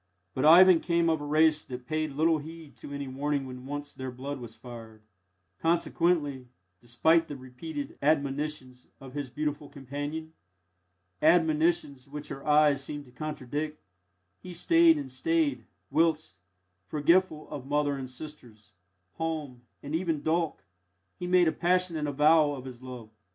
But Ivan came of a race that paid little heed to any warning when once their blood was fired; consequently, despite the repeated admonitions of his beautiful companion admonitions which her eyes seemed to contradict he stayed and stayed, whilst forgetful of mother and sisters, home, and even Dolk he made a passionate avowal of his love.